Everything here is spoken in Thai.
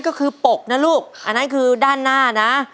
ก็คือปกนะลูกอันนั้นคือด้านหน้านะ